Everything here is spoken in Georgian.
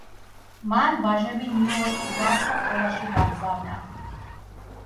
მან ვაჟები ნიუ–იორკის ვაჟთა სკოლაში გაგზავნა.